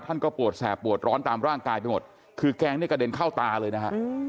ก็ปวดแสบปวดร้อนตามร่างกายไปหมดคือแกงนี่กระเด็นเข้าตาเลยนะฮะ